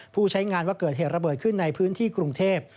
ผู้ใช้งานว่าเกิดเหตุระเบิดขึ้นในพื้นที่กรุงเทพ